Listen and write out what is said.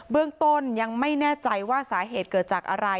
เรื่องต้นยังไม่แน่ใจว่าสาเหตุเกิดจากอะไร